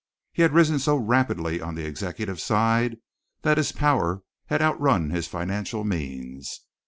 He had risen so rapidly on the executive side that his power had outrun his financial means.